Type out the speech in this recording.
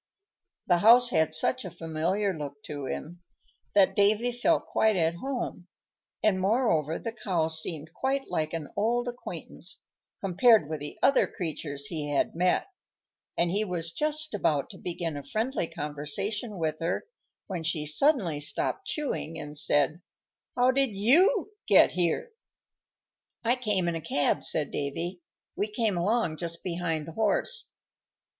The house had such a familiar look to him that Davy felt quite at home; and, moreover, the Cow seemed quite like an old acquaintance, compared with the other creatures he had met, and he was just about to begin a friendly conversation with her, when she suddenly stopped chewing, and said, "How did you get here?" "I came in a cab," said Davy. "We came along just behind the horse."